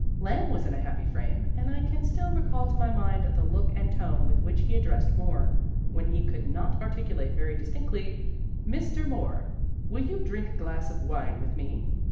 Lamb was in a happy frame, and I can still recall to my mind the look and tone with which he addressed Moore, when he could not articulate very distinctly: "Mister Moore, will you drink a glass of wine with me?"